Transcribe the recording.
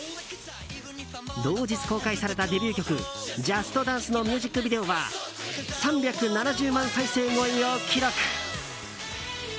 同日公開されたデビュー曲「ＪＵＳＴＤＡＮＣＥ！」のミュージックビデオは３７０万再生超えを記録。